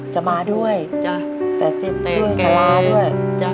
จะมาด้วยจะจะเฏ็ลชะลาด้วยจ้ะ